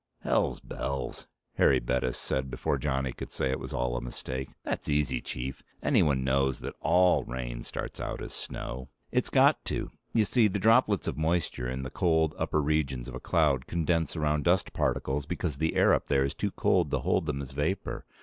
"Hell's bells," Harry Bettis said before Johnny could say it was all a mistake. "That's easy, Chief. Anyone knows that all rain starts out as snow. It's got to. You see, the droplets of moisture in the cold upper regions of a cloud condense around dust particles because the air up there is too cold to hold them as vapor.